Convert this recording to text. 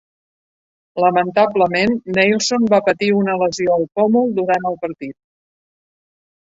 Lamentablement, Neilson va patir una lesió al pòmul durant el partit.